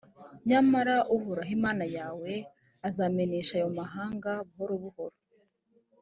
nyamara uhoraho imana yawe azamenesha ayo mahanga buhoro buhoro: